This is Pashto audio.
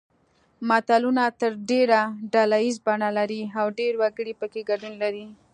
متلونه تر ډېره ډله ییزه بڼه لري او ډېر وګړي پکې ګډون لري